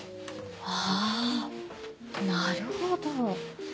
あぁなるほど。